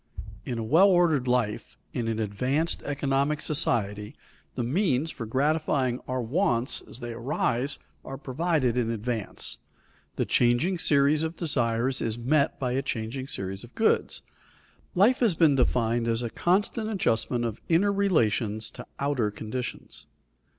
In a well ordered life, in an advanced economic society, the means for gratifying our wants as they arise are provided in advance. The changing series of desires is met by a changing series of goods. Life has been defined as a constant adjustment of inner relations to outer conditions.